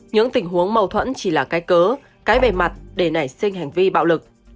những tình huống mâu thuẫn chỉ là cái cớ cái bề mặt để nảy sinh hành vi bạo lực